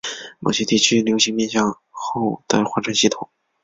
某些地区流行面向后的划船系统。